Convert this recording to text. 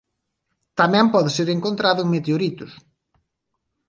Tamén pode ser encontrado en meteoritos.